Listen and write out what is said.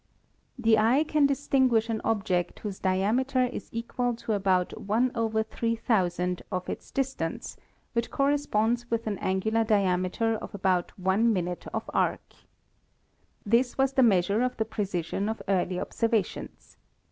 The eye can distinguish an object whose diameter is equal to about x / >000 of its distance, which corresponds with an angular diameter of about one minute of arc. This was the measure of the precision of early observa tions.